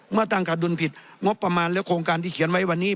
เมื่อตั้งขาดดุลผิดงบประมาณและโครงการที่เขียนไว้วันนี้